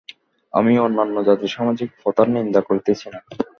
আমি অন্যান্য জাতির সামাজিক প্রথার নিন্দা করিতেছি না।